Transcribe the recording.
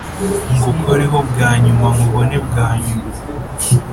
ngukoreho bwa nyumankubone bwa nyuma